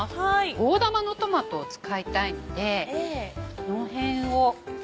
大玉のトマトを使いたいのでこの辺を。